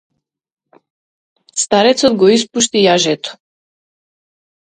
Старецот го испушти јажето.